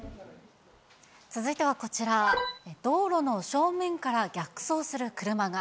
続いてはこちら、道路の正面から逆走する車が。